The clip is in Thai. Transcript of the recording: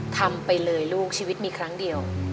ทำไปเลยลูกชีวิตมีครั้งเดียว